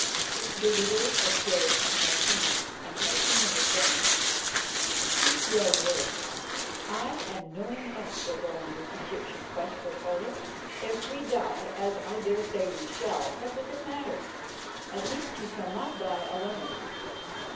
They were those of Jodd and Martina, and Martina was saying, "Cease your words. I and no one else will go on this Egyptian quest with Olaf. If we die, as I dare say we shall, what does it matter? At least he shall not die alone."